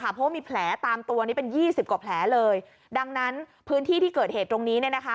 เพราะว่ามีแผลตามตัวนี้เป็นยี่สิบกว่าแผลเลยดังนั้นพื้นที่ที่เกิดเหตุตรงนี้เนี่ยนะคะ